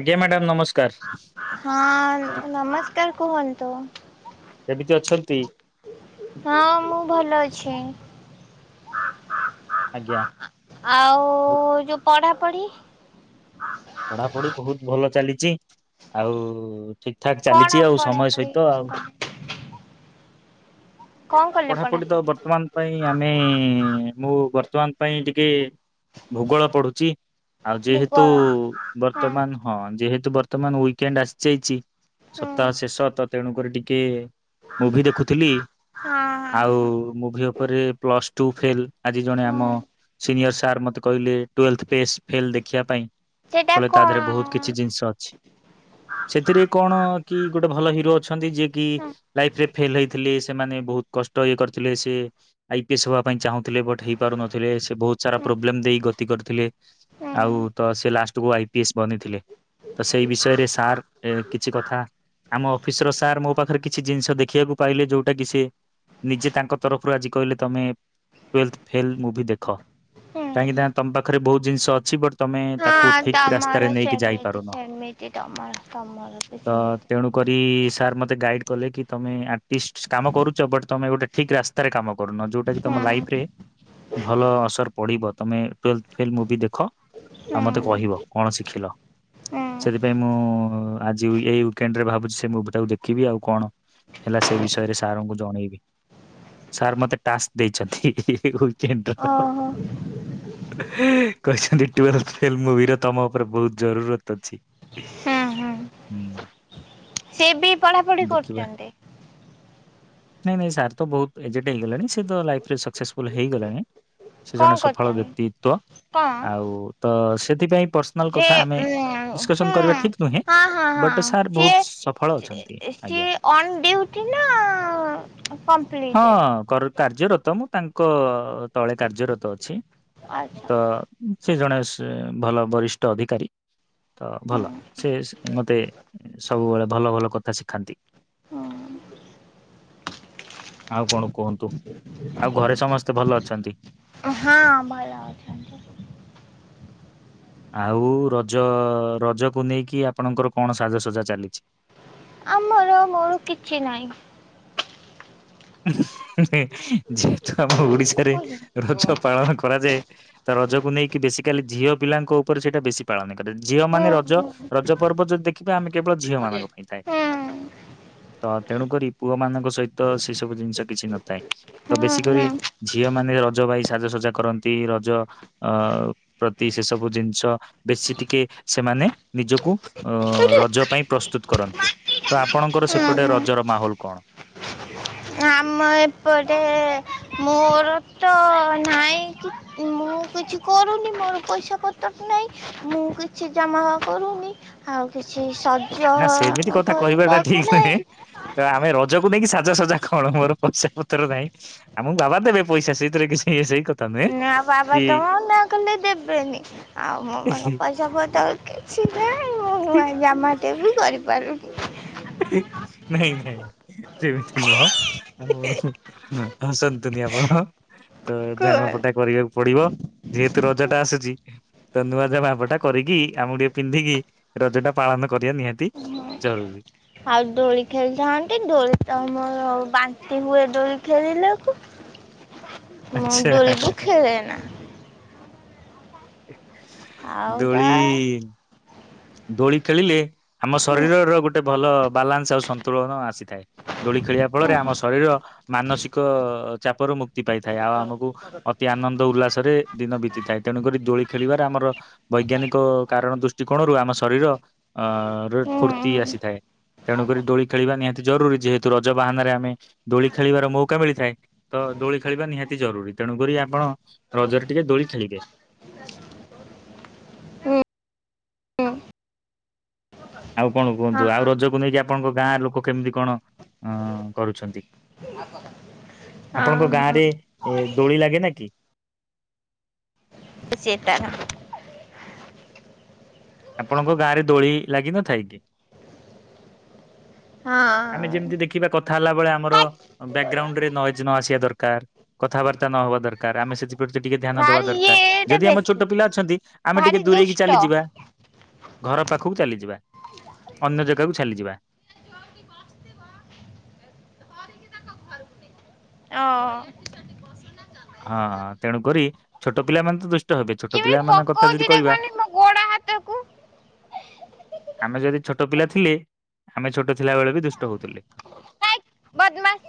ଆଜ୍ଞା ମ୍ୟାଡ଼ାମ୍ ନମସ୍କ ହଁ ନମସ୍କାର୍ କୁହନ୍ତୁ। କେମିତି ଅଛନ୍ତି? ହଁ ମୁଁ ଭଲ ଅଛି। ଆଜ୍ଞା। ଆଉ ଯୋଉ ପଢ଼ାପଢ଼ି? ପଢାପଢି ବହୁତ ଭଲ ଚାଲିଚି। ଆଉ ଠିକ୍ ଠାକ୍ କଣ ଚାଲିଚି ଆଉ ସମୟ ପଢାପଢି ସହିତ କଣ ଆଉ। କଲେ? କଣ କଲେ ପଢାପଢି ତ ବର୍ତ୍ତମାନ ପାଇଁ ଆମେ ମୁଁ ବର୍ତ୍ତମାନ ପାଇଁ ଟିକେ ଭୂଗୋଳ ପଢୁଛି ଆଉ ଯେହେତୁ ଭୂଗୋଳ ହୁଁ ବର୍ତ୍ତମାନ ହଁ ଯେହେତୁ ବର୍ତ୍ତମାନ ୱିକେଣ୍ଡ୍ ଆସି ଯାଇଛି ହୁଁ ସପ୍ତାହ ଶେଷ ତ ତେଣୁ କରି ଟିକେ ମୁଭି ଦେଖୁଥିଲି ହଁ ଆଉ ହଁ ହଁ ମୁଭି ଉପରେ ପ୍ଲସ୍ ଟୁ ଫେଲ୍ ଆଜି ଜଣେ ଆମ ହୁଁ। ସିନିୟର ସାର୍ ମତେ କହିଲେ ଟୁଏଲ୍ଥ୍ ବେଷ୍ଡ ଫେଲ୍ ଦେଖିଆ ପାଇଁ। ସେଟା କହିଲେ ତା ଦେହରେ ବହୁତ କଣ? କିଛି ଜିନିଷ ଅଛି। ସେଥିରେ କଣ କି ଗୋଟେ ଭଲ ହିରୋ ଅଛନ୍ତି ଯିଏ କି ହୁଁ ଲାଇଫ୍ ରେ ଫେଲ୍ ହେଇଥିଲେ ସେମାନେ ବହୁତ କଷ୍ଟ ଇଏ କରିଥିଲେ ସିଏ ଆଇପିଏସ୍ ହବା ପାଇଁ ଚାହୁଁ ଥିଲେ ବଟ୍ ହେଇପାରୁନଥିଲେ ସେ ବହୁତ ସାରା ହୁଁ ପ୍ରୋବ୍ଲେମ ଦେଇ ଗତି କରୁଥିଲେ ହୁଁ ଆଉ ତ ସିଏ ଲାଷ୍ଟ କୁ ଆଇ ପି ଏସ୍ ବନିଥିଲେ ତ ସେଇ ବିଷୟରେ ସାର୍ ଏ କିଛି କଥା ଆମ ଅଫିସର ସାର୍ ମୋ ପାଖରେ କିଛି ଜିନିଷ ଦେଖିବାକୁ ପାଇଲେ ଯୋଉଟା କିି ସିଏ ନିଜେ ତାଙ୍କ ତରଫରୁ ଆଜି କହିଲେ ତମେ ଟୁଏଲ୍ଥ୍ ଫେଲ୍ ମୁଭି ଦେଖ କାହିଁକି ନା ହୁଁ। ତମ ପାଖରେ ବହୁତ ଜିନିଷ ଅଛି ବଟ୍ ତମେ ତାକୁ ହଁ ଠିକ୍ ରାସ୍ତାରେ ତମର ନେଇକି ସେମିତି ଯାଇପାରୁନ। ସେମିତି ତମର ତମର ବି ସେମିତି କରି ସାର୍ ମୋତେ ଗାଇଡ଼୍ କଲେ କି ତମେ [inaudible] କାମ କରୁଛ ବଟ୍ ତମେ ଗୋଟେ ଠିକ ରାସ୍ତାରେ କାମ କରୁନ ଯୋଉଟା କିି ହୁଁ ତମ ଲାଇଫ ରେ ଭଲ ଅସର ପଡିବ ତମେ ଟୁଏଲ୍ଥ ଫେଲ ମୁଭି ଦେଖ ଆଉ ମତେ ହୁଁ କୁହ କଣ ଶିଖିଲ? ହୁଁ ସେଥିପାଇଁ ମୁଁ ଆଜି ଏଇ ଉଇକେଣ୍ଡ ରେ ଭାବୁଛି ସେ ମୁଭି ଟାକୁ ଦେଖିବି ଆଉ କଣ ହେଲା ସେ ବିଷୟରେ ସାର୍ ଙ୍କୁ ଜଣେଇବି ସାର୍ ମତେ ଟାସ୍କ ଦେଇଛନ୍ତି। ଓହୋ କହିଛନ୍ତି ଟୁଏଲ୍ଥ୍ [unintelligible] ମୁଭି ର ତମ ଉପରେ ବହୁତ ଜରୁରତ ଅଛି। ହୁଁ ହୁଁ ସିଏ ବି ପଢାପଢି ଦେଖିବା କରୁଚନ୍ତି? ନାଇଁ ନାଇଁ ସାର୍ ତ ବହୁତ ଏଜେଟ୍ ହେଇଗଲାଣି ସେ ତ ଲାଇଫ ରେ ସକ୍ସେସଫୁଲ ହେଇଗଲେଣି। ସେ କଣ ଜଣେ ସଫଳ କରୁଛନ୍ତି? ବ୍ୟକ୍ତିତ୍ବ କଣ ଆଉ ତ ସେଥିପାଇଁ ପସ ଯେ [unintelligible] ଆମେ ଉ ହୁଁ ଡିକସନ କରିବା ଠିକ ନୁହେଁ। ହଁ ହଁ ହଁ ବଟ ସାର୍ ସିଏ ବହୁତ ସଫଳ ଅଛନ୍ତି ଆଜ୍ଞା। ସିଏ ଅନ୍ ଡୁଟି ନା? ହଁ କମ୍ପ୍ଲିଟେଡ୍ କାର୍ଯ୍ୟରତ ମୁଁ ତାଙ୍କ ତଳେ କାର୍ଯ୍ୟରତ ଅଛି ଆଚ୍ଛା ତ ସେ ଜଣେ ଭଲ ବରିଷ୍ଠ ଅଧିକାରୀ। ତ ଭଲ ସେ ମତେ ସବୁବେଳେ ଭଲ ଭଲ କଥା ଶିଖାନ୍ତି। ହଁ। ଆଉ କଣ କୁହନ୍ତୁ? ଆଉ ଘରେ ସମସ୍ତେ ଭଲ ଅଛନ୍ତି। ହଁ ଭଲ। ଅଛନ୍ତି ଆଉ ରଜ ରଜକୁ ନେଇକି ଆପଣଙ୍କର କଣ ସାଜସଜା ଚାଲିଛି। ଆମର ମୋର କିଛି ନାହିଁ। ଯେହେତୁ ଆମ ଓଡିଶାରେ ହୁଁ ରଜ ପାଳନ। କରାଯାଏ ତା ରଜକୁ ନେଇକି ବେଶୀିକାଲି ଝିଅ ପିଲାଙ୍କ ଉପରେ ସେଇଟା ବେଶୀ ପାଳନ କରେ ଝିଅ ହୁଁ ହୁଁ ମାନେ ହୁଁ ରଜ ରଜ ପର୍ବ ଯଦି ଦେଖିବାେ ଆମେ କେବଳ ଝିଅ ମାନଙ୍କ ପାଇଁ ଥାଏ। ତ ତେଣୁକରି ପୁଅ ମାନଙ୍କ ସହିତ ସେ ସବୁ ଜିନିଷ କିଛି ନଥାଏ। ତ ବେଶୀ କରି ଝିଅ ମାନେ ରଜ ପାଇଁ ସାଜସଜା କରନ୍ତି ରଜ ଅ ପ୍ରତି ସେ ସବୁ ଜିନିଷ ବେଶୀ ଟିକେ ସେମାନେ ନିଜକୁ ଠିକ ଅ ରଜ ପାଇଁ ପ୍ରସ୍ତୁତ କରନ୍ତି ତ ଆପଣଙ୍କର ହୁଁ ସେପଟେ ହୁଁ ରଜର ମାହୋଲ କଣ? ଆମ ଏପଟେ ମୋର ତ ନାହିଁ କି ମୁଁ କିଛି କରୁନି ମୋର ପଇସା ପତ୍ର ନାହିଁ। ମୁଁ କିଛି ଜମା କରୁନି। ଆଉ କିଛି ଶଜ ନା ସେମିତି କଥା କରିବାକୁ ନାହିଁ। ଜକୁ ନେଇକି ସାଜାସଜା କଣୋର ପଚା ପତ୍ର ନାହିଁ ଆମକୁ ବାବା ଦେବେ ପଇସା ସେଇଥିରେ କିଛି କଥା ନୁହେଁ ନା ବାବା ତ କି ମନା କଲେ ଦେବେନି ଆଉ ମୋ ମାଙ୍କ ପଇସା ପତ କିଛି ନାଇଁ ମୁଁ ଜାମାଟେ ବି କରିପାରୁନି। ନାଇଁ ନାଇଁ ସେମିତି ନୁହ ଆ ହସନ୍ତୁନି ଆପଣ ତ ଜାମା ପଟା କୁହନି କରିବାକୁ ପଡିବ ଯେହେତୁ ରଜ ଟା ଆସୁଛି। ତ ନୂଆ ଯାମା ପଟା କରିକି ଆମେ ଟିକେ ପିନ୍ଧିକି ରଜ ଟା ପାଳନ କରିବା ନିହାତି। ଜରୁରି। ଆଉ ଦୋଳି ଖେଳିଥାନ୍ତି ଡୋଳି ତ ଆମର ବାନ୍ତି ହୁଏ ଦୋଳି ଖେଳିଲାକୁ। ମୁଁ ଆଚ୍ଛା ଡରିିକି ଖେଳେନା? ଆଉ ଦୋଳି ତା ଦୋଳି ଖେଳିଲେ ଆମ ସେତାର ଶରୀରର ଗୋଟେ ଭଲ ବାଲାନ୍ସ ଆଉ ସନ୍ତୁଳନ ଆସିଥାଏ। ଦୋଳି ଖେଳିବା ଫଳରେ ଆମ ଶରୀର ମାନସିକ ଚାପରୁ ମୁ ପାଇଥାଏ ଆଉ ଆମକୁ ଅତି ଆନନ୍ଦ ଉଲ୍ଲାସରେ ଦିନ ବିତିଥାଏ ତେଣୁକରି ଦୋଳି ଖେଳିବାରେ ଆମର ବୈଜ୍ଞାନିକ କାରଣ ଦୃଷ୍ଟିକୋଣରୁ ଆମ ଶରୀର ଫୁର୍ତ୍ତି ଆସିଥାଏ। ତେଣୁକରି ଦୋଳି ଖେଳିବା ନିହାତି ଜରୁରୀ ଯେହେତୁ ରଜ ବାହାନାରେ ଆମେ ଦୋଳି ଖେଳିବାର ମଉକା ମିଳିଥାଏ। ତ ଦୋଳି ଖେଳିବା ନିହାତି ଜରୁରୀ ତେଣୁକରି ଆପଣ ରଜରେ ଟିକେ ଦୋଳି ଖେଳିବେ ଆଉ କଣ କୁହନ୍ତୁ? ଆଉ ରଜକୁ ନେଇ ଆପଣଙ୍କ ଗାଁ ଲୋକ କେମିତି କଣ କରୁଛନ୍ତି? ଆପଣଙ୍କ ଗାଁ ରେ ଏ ଦୋଳି ଲାଗେ ନା କି? ସେ ତାର ଆପଣଙ୍କ ଗାଁରେ ଦୋଳି ଲାଗ ନଥାଇ କିି? ଆମେ ହଁ ଯେମିତି ଦେଖିବା କ କଥା ହେଲା ବେଳେ ଆମର ବ୍ୟାକଗ୍ରାଉଣ୍ଡ ରେ ନଏଜ ନ ଆସିବା ଦରକାର। କଥାବାର୍ତ୍ତା ନ ହବା ଦରକାର। ଆମେ ସେଯି [unintelligible] ଟିକେ ଧ୍ୟାନ ଦବା ଭାରି ଇଏ ଦରକାର। ଏଟା ଯଦି ଆମ ବେଶୀ ଛୋଟ ପିଲା ଇଏ ଅଛନ୍ତି, ଆମେ ଟିକେ ଭାରି ଦୂରେଇକି ଦୁଷ୍ଟ ଚାଲିଯିବା। ଘର ପାଖକୁ ଚାଲିଯିବା। ଅନ୍ୟ ଜାଗା କୁ ଚାଲିଯିବା। [unintelligible] ହଁ, ତେଣୁକରି ଛୋଟ ପିଲାମାନେ ତ ଦୁଷ୍ଟ ହେବେ। ଛୋଟ କେମିତି ପିଲାମାନେ କଥା ଯଦି ପକଉଛି କହିବା ଦେଖନି ମୋ ଗୋଡ ହାତକୁ ଆମେ ଯଦି ଛୋଟ ପିଲା ଥିଲେ। ଆମେ ଛୋଟ ଥିଲା ବେଳେ ବି ଦୁଷ୍ଟ ହଉଥିଲେ। ହେଇ ବଦମାସ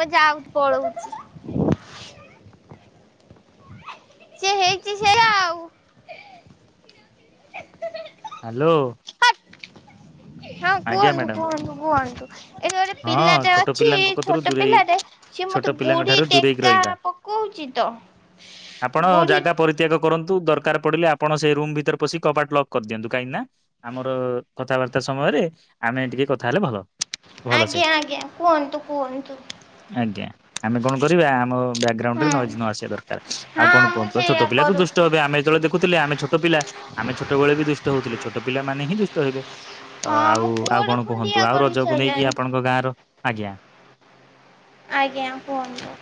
ମୁଁ ଯାଉ ପଳଉଛି। ସେ ହେଇଛି ସେଇଆ ଆଉ। ହ୍ୟାଲୋ। ହଟ୍ ହଁ, ଆଜ୍ଞା କୁହନ୍ତୁ, ମ୍ୟାଡାମ କୁହନ୍ତୁ, କୁହନ୍ତୁ। ଏଠି ଗୋଟେ ହଁ ପିଲାଟେ ଛୋଟ ଅଛି। ପିଲାଙ୍କ କତରୁ ଛୋଟ ଦୂରେଇ ପିଲାଟେ ସିଏ ଛୋଟ ମତେ ପିଲାଙ୍କ ଗୋଡ଼ି ଠାରୁ ଦୂରେଇକି ଟେକା ରହିବା। ପକଉଚିତ। ଆପଣ ଜାଗା ପରି ତ୍ୟାଗ କରନ୍ତୁ। ଦରକାର ପଡ଼ିଲେ ଆପଣ ସେ ରୁମ୍ ଭିତରେ ପଶି କବାଟ ଲକ୍ କରିଦିଅନ୍ତୁ। କାହିଁକି ନାଁ ଆମର କଥାବାର୍ତ୍ତା ସମୟରେ ଆମେ ଟିକେ କଥା ହେଲେ ଭଲ। ଭଲସେ ଆଜ୍ଞା, ଆଜ୍ଞା, କୁହନ୍ତୁ, କୁହନ୍ତୁ। ଆଜ୍ଞା, ଆମେ କଣ କରିବା? ଆମ ହୁଁ ବ୍ୟାକଗ୍ରାଉଣ୍ଡରେ ନଏଜ୍ ନ ଆସିବା ଦରକାର। ଆଉ ହଁ କଣ? ମୁଁ କୁହନ୍ତୁ, ସେଇଆ ଛୋଟ ପିଲା ତ କରୁଛି ଦୁଷ୍ଟ ହେବେ। ଆମେ ଯେତେବେଳେ ଦେଖୁଥିଲେ, ଆମେ ଛୋଟ ପିଲା ଆମେ ଛୋଟବେଳେ ବି ଦୁଷ୍ଟ ହଉଥିଲେ। ଛୋଟ ପିଲାମାନେ ହିଁ ଦୁଷ୍ଟ ହେବେ। ତ ହଁ ଆଉ, ମୁଁ ଆଉ ଗୋଡ଼ କଣ କୁହନ୍ତୁ? ଖଣ୍ଡିଆ ଆଉ ରଜକୁ ନେଇକି କରିସାରିଲାଣି ଆପଣଙ୍କ ଗାଁ ର ଆଜ୍ଞା ଆଜ୍ଞା କୁହନ୍ତୁ।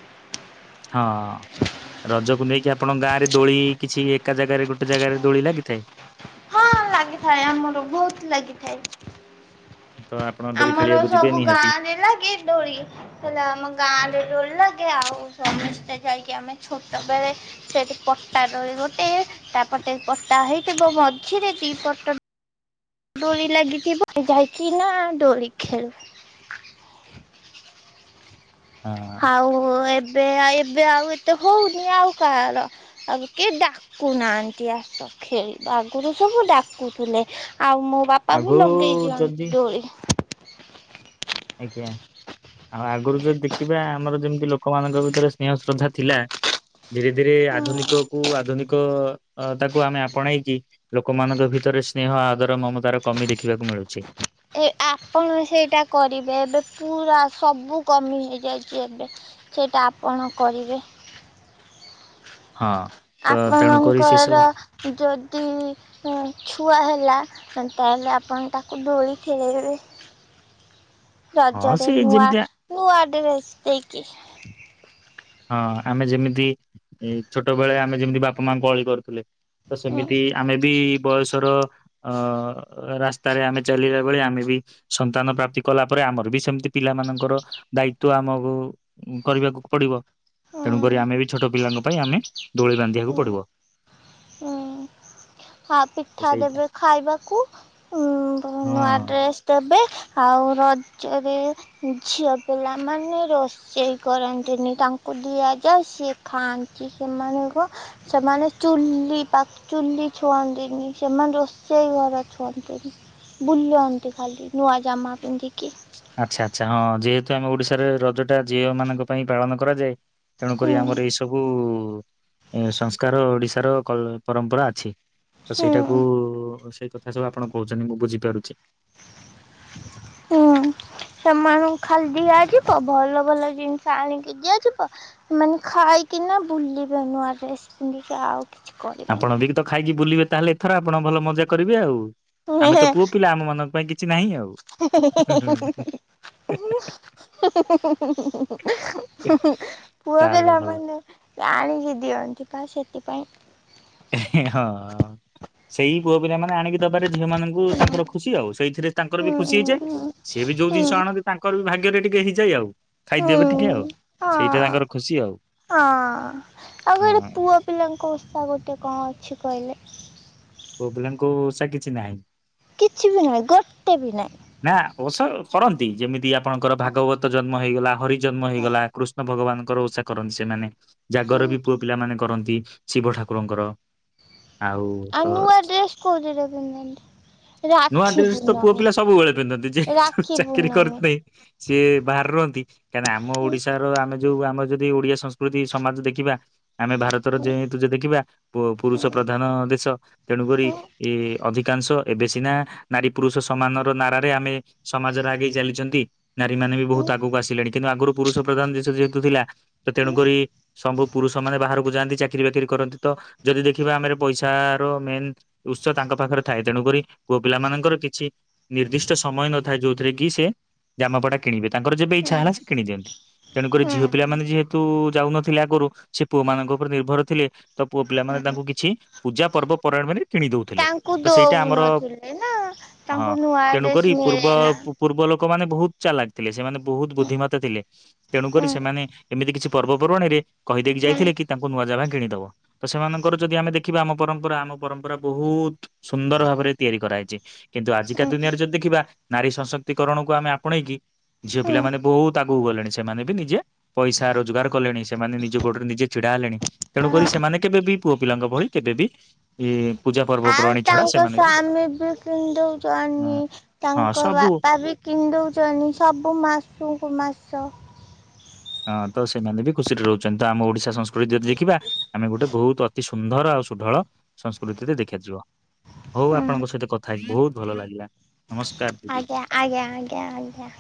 ହଁ। ରଜକୁ ନେଇକି ଆପଣଙ୍କ ଗାଁରେ ଦୋଳି କିଛି ଏକା ଜାଗାରେ ଗୋଟେ ଜାଗାରେ ଦୋଳି ଲାଗିଥାଏ? ହଁ, ଲାଗିଥାଏ ଆମର ବହୁତ ଲାଗିଥାଏ। ତ ଆପଣ ଦୋଳି ଆମର ଖେଳିବାକୁ ଯିବେ ସବୁ ନିହାତି। ଗାଁରେ ଲାଗେ ଦୋଳି। ହେଲା, ଆମ ଗାଁରେ ଦୋଳି ଲାଗେ। ଆଉ ସମସ୍ତେ ଯାଇକି, ଆମେ ଛୋଟବେଳେ ସେଠି ପଟ୍ଟା ଦୋଳି ଗୋଟେ ତା ପଟେ ପଟ୍ଟା ହେଇଥିବ। ମଝିରେ ଦି ପଟ ଦୋଳି ଲାଗିଥିବ, ଯାଇକି ନାଁ ଦୋଳି ଖେଳୁ। ହଁ। ଆଉ ଏବେ ଏବେ ଆଉ ଏତେ ହଉନି, ଆଉ କାହାର। ଆଉ କେ ଡାକୁନାହାନ୍ତି, ଆସ। ଖେଳିବା ଆଗୁରୁ ସବୁ ଡାକୁଥିଲେ। ଆଉ ମୋ ବାପା ବି ଆଗରୁ ଲଗେଇ ଦିଅନ୍ତି ଯଦି ଦୋଳି। ଆଜ୍ଞା। ଆଉ ଆଗରୁ ଯଦି ଦେଖିବା, ଆମର ଯେମିତି ଲୋକମାନଙ୍କ ଭିତରେ ସ୍ନେହ ଶ୍ରଦ୍ଧା ଥିଲା। ଧୀରେ ଧୀରେ ଆଧୁନିକ କୁ ଆଧୁନିକ ତାକୁ ଆମେ ଆପଣେଇ କି ଲୋକମାନଙ୍କ ଭିତରେ ସ୍ନେହ, ଆଦର ମମତାର କମି ଦେଖିବାକୁ ମିଳୁଛି। ଏ ଆପଣ ସେଇଟା କରିବେ। ଏବେ ପୁରା ସବୁ କମି ହେଇଯାଇଛି। ଏବେ ସେଇଟା ଆପଣ କରିବେ। ହଁ। ତ ତେଣୁକରି ସେ ଆପଣଙ୍କର ସବୁ ଯଦି ଛୁଆ ହେଲା, ତାହେଲେ ଆପଣ ତାକୁ ଦୋଳି ଖେଳେଇବେ। ହଁ ସେ ରଜରେ ନୂଆ ଯେମିତି ନୂଆ ଡ୍ରେସ ଦେଇକି ହଁ, ଆମେ ଯେମିତି ଏ ଛୋଟ ବେଳେ ଆମେ ଯେମିତି ବାପା ମାଙ୍କୁ ଅଳି କରୁଥିଲେ। ତ ହୁଁ ସେମିତି ଆମେ ବି ବୟସର ଅ ରାସ୍ତାରେ ଆମେ ଚାଲିଲା ବେଳେ ଆମେ ବି ସନ୍ତାନ ପ୍ରାପ୍ତି କଲାପରେ ଆମର ବି ସେମିତି ପିଲା ମାନଙ୍କର ଦାୟିତ୍ବ ଆମକୁ କରିବାକୁ ପଡିବ। ହୁଁ। ତେଣୁକରି ଆମେ ବି ଛୋଟ ପିଲାଙ୍କ ପାଇଁ ଆମେ ଦୋଳି ବାନ୍ଧିବାକୁ ପଡିବ। ହୁଁ। ହଁ ତ ପିଠା ସେଇଟା ଦେବେ ଖାଇବାକୁ, ନୂଆ ହଁ। ଡ୍ରେସ୍ ଦେବେ ଆଉ ରଜରେ ଝିଅ ପିଲାମାନେ ରୋ ରୋଷେଇ କରନ୍ତିନି, ତାଙ୍କୁ ଦିଆଯାଏ ସିଏ ଖାଆନ୍ତି। ସେମାନଙ୍କୁ ସେମାନେ ଚୁଲି ପାଖ ଛୁଅନ୍ତିନି ସେମାନେ ରୋଷେଇ ଘର ଛୁଅନ୍ତିନି। ବୁଲନ୍ତି ଖାଲି ନୂଆ ଜାମା ପିନ୍ଧିକି। ଆଚ୍ଛା ଆଚ୍ଛା। ହଁ, ଯେହେତୁ ଆମେ ଓଡିଶାରେ ରଜ ଟା ଝିଅ ମାନଙ୍କ ପାଇଁ ପାଳନ କରାଯାଏ ତେଣୁକରି ହୁଁ ଆମର ଏଇ ସବୁ ସଂସ୍କାର ଓଡିଶାର ପରମ୍ପରା ଅଛି। ତ ହୁଁ ସେଇଟାକୁ ସେଇ କଥା ସବୁ ଆପଣ କହୁଛନ୍ତି ମୁଁ ବୁଝିପାରୁଛି। ହୁଁ, ସେମାନଙ୍କୁ ଖାଲି ଦଆ ଯିବ ଭଲ ଭଲ ଜିନିଷ ଆଣିକି ଦିଆଯିବ। ସେମାନେ ଖାଇକିନା ବୁଲିବେ ନୂଆ ଡ୍ରେସ୍ ପିନ୍ଧି କି। ଆଉ କିଛି କରିବେନି ଆପଣ ବି ତ ଖାଇକି ବୁଲିବେ ତାହେଲେ ଏଥର। ଆପଣ ଭଲ ମଜା କରିବେ ଆଉ। ଆମେ ତ ପୁଅ ପିଲା ଆମ ମାନଙ୍କ ପାଇଁ କି କିଛି ନାହିଁ ଆଉ। [inaudible] ପୁଅ ତାହେଲେ ଭଲ ପିଲାମାନେ। ଆଣିକି ଦିଅନ୍ତି ବା ସେଥିପାଇଁ ହଁ। ସେଇ ପୁଅ ପିଲା ମାନେ ଆଣିକି ଦବାରେ ଝିଅ ମାନଙ୍କୁ ତାଙ୍କର ଖୁସି ଆଉ ସେଇଥିରେ ତାଙ୍କର ବି ଖୁସି ହେଇଯାଏ। ସିଏ ବି ଯୋଉ ହଁ ଜିନିଷ ଆଣନ୍ତି ତାଙ୍କର ବି ଭାଗ୍ୟରେ ଟିକେ ହେଇଯାଏ ଆଉ। ଖାଇଦେବେ ଟିକେ ଆଉ ହଁ ସେଇଟା ତାଙ୍କର ଖୁସି ଆଉ। ଆଉ ଗୋଟେ ହଁ। ପୁଅ ପିଲାଙ୍କ ଓଷା ଗୋଟେ କଣ ଅଛି କହିଲେ? ପୁଅପିଲାଙ୍କ ଓଷା କିଛି ନାହିଁ। କିଛି ବି ନାହିଁ ଗୋଟେ ବି ନାହିଁ? ନା ଓଷା କରନ୍ତି। ଯେମିତି ଆପଣଙ୍କର ଭାଗବତ ଜନ୍ମ ହେଇଗଲା, ହରି ଜନ୍ମ ହେଇଗଲା କୃଷ୍ଣ ଭଗବାନଙ୍କର ଓଷା କରନ୍ତି ସେମାନେ। ଜାଗର ବି ପୁଅ ପିଲାମାନେ କରନ୍ତି ଶିବ ଠାକୁରଙ୍କର। ଆଉ ତ ନୂଆ ଡ୍ରେସ୍ କୋଉଥିରେ ପିନ୍ଧନ୍ତି ନୂଆ ରାକ୍ଷୀ ଡ୍ରେସ ତ ପୁଅ ପୂର୍ଣ୍ଣମୀ ପିଲା ସବୁବେଳେ ପିନ୍ଧନ୍ତି। ଯେହେତୁ ରାକ୍ଷୀ ଚାକିରୀ ପୂର୍ଣ୍ଣମୀ। କରିଥିବେ ସିଏ ବାହାରେ ରହନ୍ତି, କାହିଁକିନା ଆମ ଓଡିଶା ଆମେ ଯୋଉ ଆମର ଯଦି ଓଡିଆ ସଂସ୍କୃତି ସମାଜ ଦେଖିବା। ଆମେ ଭାରତର ଯେହେତୁ ଯେ ଦେଖିବା ପୁରୁଷ ପ୍ରଧାନ ଦେଶ। ତେଣୁକରି ଏ ଅଧିକାଂଶ, ଏବେ ସିନା ନାରୀ ପୁରୁଷ ସମାନର ନାରରେ ଆମେ ସମାଜରେ ଆଗେଇ ଚାଲିଛନ୍ତି। ନାରୀ ମାନେ ବି ବହୁତ ଆଗକୁ ଆସିଲେଣି। କିନ୍ତୁ ଆଗରୁ ପୁରୁଷ ପ୍ରଧାନ ଦେଶ ଯେହେତୁ ଥିଲା ତ ତେଣୁକରି ସବୁ ପୁରୁଷ ମାନେ ବାହାରକୁ ଯାଆନ୍ତି ଚାକିରି-ବାକିରି କରନ୍ତି ତ ଯଦି ଦେଖିବା ଆମେ ପଇସା ର ମେନ୍ ଉତ୍ସ ତାଙ୍କ ପାଖରେ ଥାଏ। ତେଣୁକରି ପୁଅପିଲା ମାନଙ୍କର କିଛି ନିର୍ଦ୍ଦିଷ୍ଟ ସମୟ ନଥାଏ ଯୋଉଥିରେ କି ସେ ଜାମାପଟା କିଣିବେ ତାଙ୍କର ଯେବେ ଇଚ୍ଛା ହେଲା ସେ କିଣି ଦିଅନ୍ତି। ତେଣୁକରି ଝିଅପିଲା ମାନେ ଯେହେତୁ ଯାଉନ ଥିଲେ ଆଗରୁ, ସେ ପୁଅ ମାନଙ୍କ ଉପରେ ନିର୍ଭର ଥିଲେ ତ ପୁଅ ପିଲାମାନେ ତାଙ୍କୁ କିଛି ପୂଜା ପର୍ବପର୍ବାଣିରେ କିଣି ଦଉଥିଲେ। ତ ସେଇଟା ଆମର ଏଇନା ହଁ, ତେଣୁକରି ପୂର୍ବ ପୂର୍ବ ଲୋକମାନେ ବହୁତ ଚାଲାକ୍ ଥିଲେ, ସେମାନେ ବହୁତ ବୁଦ୍ଧିମତା ଥିଲେ। ତେଣୁକରି ସେମାନେ ଏମିତି କିଛି ପର୍ବ ପର୍ବାଣୀରେ କହି ଦେଇକି ଯାଇଥିଲେ କି ତାଙ୍କୁ ନୂଆ ଜାମା କିଣିଦବ। ତ ସେମାନଙ୍କର ଯଦି ଆମେ ଦେଖିବା ଆମ ପରମ୍ପରା ଆମ ପରମ୍ପରା ବହୁତ ସୁନ୍ଦର ଭାବରେ ତିଆରି କରାହେଇଛି। କିନ୍ତୁ ଆଜିକା ଦୁନିଆରେ ଯଦି ଦେଖିବା ନାରୀ ସଶକ୍ତିକରଣକୁ ଆମେ ଆପଣେଇକି ଝିଅ ପିଲାମାନେ ବହୁତ ଆ ଗୁକୁ ଗଲେଣି ସେମାନେ ବି ନିଜେ ପଇସା ରୋଜଗାର କଲେଣି ସେମାନେ ନିଜ ଗୋଡରେ ନିଜେ ଛିଡା ହେଲେଣି। ତେଣୁକରି ସେମାନେ କେବେ ବିି ପୁଅ ପିଲାଙ୍କ ଭଳି କେବେବି ଏ ପୂଜା ପର୍ବପର୍ବାଣୀ ଛଡା ସେମାନେ ବି ପିନ୍ଧୁଛ ଆନି ହଁ ହଁ ତାଙ୍କ ସବୁ ବାପା ବି କିନ୍ଦଉଛନ୍ତି ସବୁ ମାସକୁ ମାସ ହଁ ତ ସେମାନେ ବି ଖୁସିରେ ରହୁଛନ୍ତି ତ ଆମ ଓଡିଶା ସଂସ୍କୃତି ଯଦି ଦେଖିବା ଆମେ ଗୋଟେ ବହୁତ ଅତି ସୁନ୍ଦର ଆଉ ସୁଢଳ ସଂସ୍କୃତିରେ ଦେଖାଯିବ ହଉ ଆପଣଙ୍କ ସହିତ କ ଥାଇ ବହୁତ ଭଲ ଲାଗିଲା ନମସ୍କାର ଦିଦି ଆଜ୍ଞା ଆଜ୍ଞା ଆଜ୍ଞା ଆଜ୍ଞା।